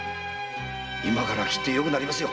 今からきっと良くなりますよ。